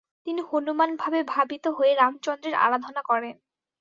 তিনি হনুমানভাবে ভাবিত হয়ে রামচন্দ্রের আরাধনা করেন।